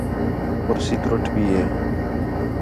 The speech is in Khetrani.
کُرسی تُرُٹ پئی ہے